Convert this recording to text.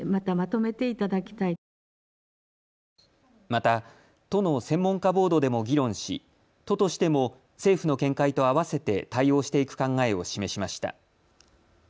また都の専門家ボードでも議論し都としても政府の見解と合わせて対応していく考えを示しました。